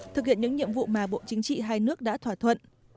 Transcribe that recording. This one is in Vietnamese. thực hiện những nhiệm vụ mà bộ chính trị hai nước đã thỏa thuận